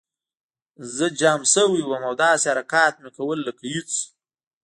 زه جام شوی وم او داسې حرکات مې کول لکه هېڅ